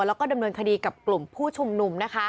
แล้วก็ดำเนินคดีกับกลุ่มผู้ชุมนุม